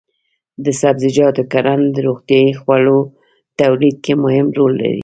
د سبزیجاتو کرنه د روغتیايي خوړو تولید کې مهم رول لري.